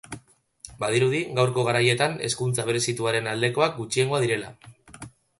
Badirudi gaurko garaietan hezkuntza berezituaren aldekoak gutxiengoa direla.